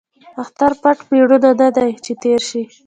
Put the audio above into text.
ـ اختر پټ ميړه نه دى ،چې تېر شي.